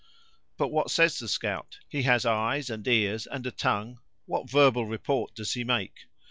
"But what says the scout? he has eyes and ears, and a tongue. What verbal report does he make?"